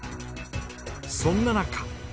そんな中。